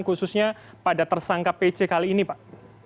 khususnya pada tersangka pc kali ini pak